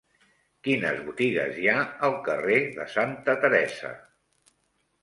Quines botigues hi ha al carrer de Santa Teresa?